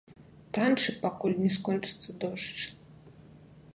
Танчы, пакуль не скончыцца дождж!